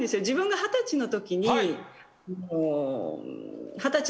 自分が二十歳のときに。